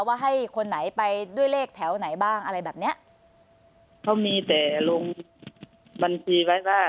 ว่าให้คนไหนไปด้วยเลขแถวไหนบ้างอะไรแบบเนี้ยเขามีแต่ลงบัญชีไว้ว่า